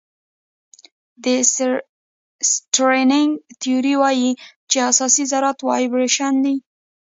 د سټرینګ تیوري وایي چې اساسي ذرات وایبریشن دي.